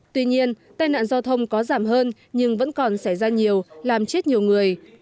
tuy nhiên tai nạn giao thông có giảm hơn nhưng vẫn còn xảy ra nhiều làm chết nhiều người